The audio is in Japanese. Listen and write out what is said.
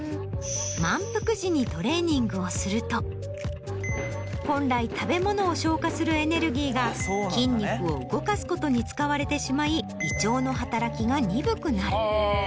満腹時にトレーニングをすると本来食べ物を消化するエネルギーが筋肉を動かすことに使われてしまい胃腸の働きが鈍くなる。